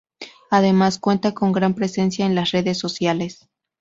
Además, cuenta con gran presencia en las redes sociales.